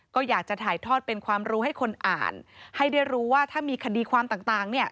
ก็อยากจะถ่ายทอดเป็นความรู้ให้คนอ่านให้ได้รู้ว่าถ้ามีคดีความต่างเนี่ย